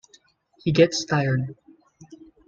He gets tired.